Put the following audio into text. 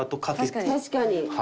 確かに。